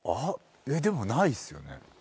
でもないっすよね？